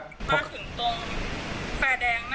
พอถึงตรงไฟแดงหน้าเดอร์มอลค่ะ